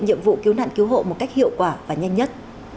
nhiệm vụ cứu nạn cứu hộ một cách hiệu quả và nhanh nhất